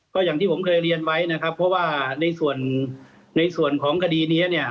ก็อย่างที่ผมเคยเรียนไว้นะครับเพราะว่าในส่วนในส่วนของคดีนี้เนี่ย